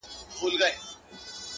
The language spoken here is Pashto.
جانان ارمان د هره یو انسان دی والله؛